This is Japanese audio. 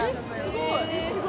すごい。